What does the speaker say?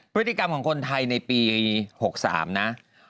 พฤติกรรมของคนไทยในปี๖๓นะ